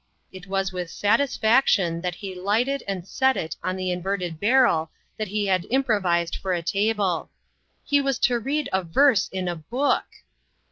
It was with satisfaction that he lighted and set it on the inverted barrel that he had improvised for a table. He was to read a verse in a book